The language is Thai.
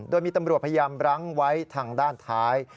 โดยมีตำรวจพยายามรั้งไว้ทางด้านท้าย